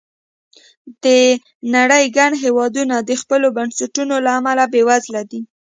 د نړۍ ګڼ هېوادونه د خپلو بنسټونو له امله بېوزله دي.